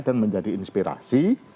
dan menjadi inspirasi